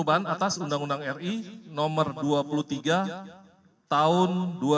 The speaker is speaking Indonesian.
perubahan atas undang undang ri nomor dua puluh tiga tahun dua ribu dua